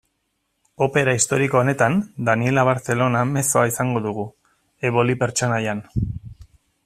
Opera historiko honetan, Daniella Barcellona mezzoa izango dugu, Eboli pertsonaian.